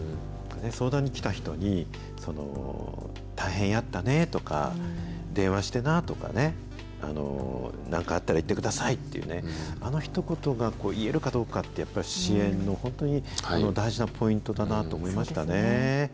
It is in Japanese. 相談に来た人に、大変やったねとか、電話してなとかね、なんかあったら言ってくださいっていうね、あのひと言が言えるかどうかってやっぱり支援の本当に大事なポイントだなと思いましたね。